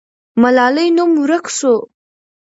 ملالۍ نوم ورک سو.